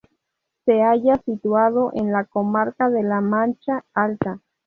Se halla situado en la comarca de La Mancha Alta.